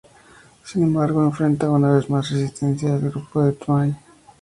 Sin embargo, enfrenta, una vez más, resistencia del grupo de Taunay.